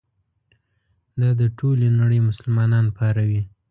دا د ټولې نړۍ مسلمانان پاروي.